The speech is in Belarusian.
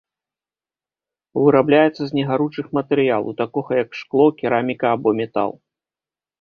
Вырабляецца з негаручых матэрыялу, такога як шкло, кераміка або метал.